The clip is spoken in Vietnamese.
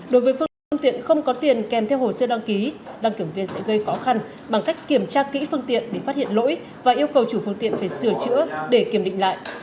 đối với phương tiện phương tiện không có tiền kèm theo hồ sơ đăng ký đăng kiểm viên sẽ gây khó khăn bằng cách kiểm tra kỹ phương tiện để phát hiện lỗi và yêu cầu chủ phương tiện phải sửa chữa để kiểm định lại